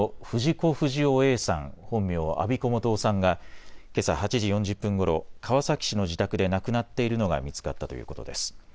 不二雄Ａさん、本名、安孫子素雄さんがけさ８時４０分ごろ、川崎市の自宅で亡くなっているのが見つかったということです。